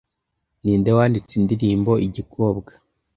Ninde wanditse indirimbo igikobwa